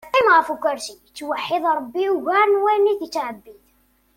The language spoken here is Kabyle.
Yeqqim ɣef ukarsi, yettweḥid ṛebbi ugar n wayen it-yettɛebbid.